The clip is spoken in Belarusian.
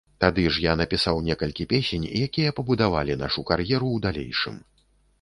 Тады ж я напісаў некалькі песень, якія пабудавалі нашу кар'еру ў далейшым.